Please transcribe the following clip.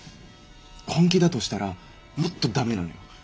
本気だとしたらもっと駄目なのよ。